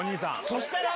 そしたら。